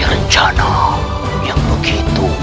rencana yang begitu